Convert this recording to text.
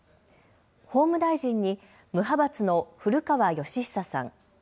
法務大臣に無派閥の古川禎久さん。